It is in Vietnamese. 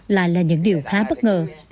lại là những điều khá bất ngờ